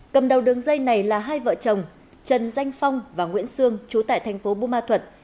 cầm đầu đường dây này là hai vợ chồng trần danh phong và nguyễn sương trú tại thành phố bù ma thuật